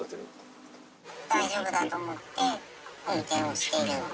大丈夫だと思って、運転をしているので。